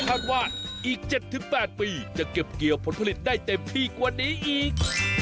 คาดว่าอีก๗๘ปีจะเก็บเกี่ยวผลผลิตได้เต็มที่กว่านี้อีก